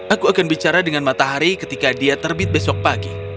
aku akan bicara dengan matahari ketika dia terbit besok pagi